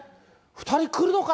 ２人来るのか？